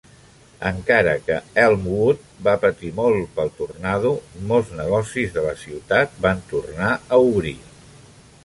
Encara que Elmwood va patir molt pel tornado, molts negocis de la ciutat van tornar a obrir.